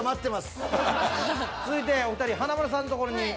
続いてお二人華丸さんの所に。